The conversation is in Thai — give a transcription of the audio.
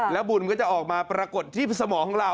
แล้วบุญก็จะออกมาปรากฏที่สมองของเรา